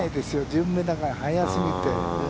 順目だから、早過ぎて。